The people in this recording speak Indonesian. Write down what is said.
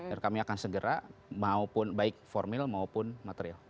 dan kami akan segera maupun baik formil maupun material